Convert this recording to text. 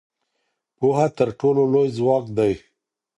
پوهه تر ټولو لوی ځواک دی.